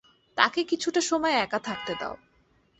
তাকে কিছুটা সময় একা থাকতে দাও।